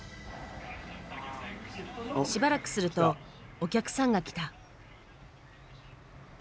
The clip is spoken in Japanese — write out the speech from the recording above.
しばらくするとお客さんが来た。